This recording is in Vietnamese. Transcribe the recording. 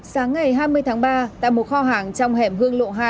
sáng ngày hai mươi tháng ba tại một kho hàng trong hẻm hương lộ hai